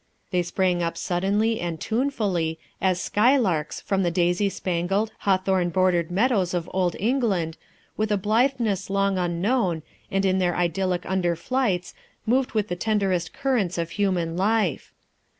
They sprang up suddenly and tunefully as skylarks from the daisy spangled, hawthorn bordered meadows of old England, with a blitheness long unknown, and in their idyllic underflights moved with the tenderest currents of human life.